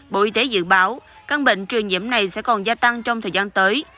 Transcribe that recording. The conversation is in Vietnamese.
bộ y tế dự báo căn bệnh truyền nhiễm này sẽ còn gia tăng trong thời gian tới